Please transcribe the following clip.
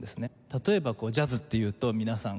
例えばジャズっていうと皆さん